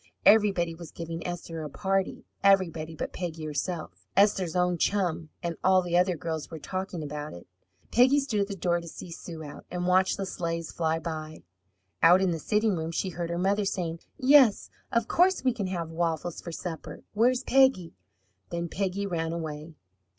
Everybody was giving Esther a party, everybody but Peggy herself. Esther's own chum, and all the other girls, were talking about it. Peggy stood at the door to see Sue out, and watched the sleighs fly by. Out in the sitting room she heard her mother saying, "Yes, of course we can have waffles for supper. Where's Peggy?" Then Peggy ran away.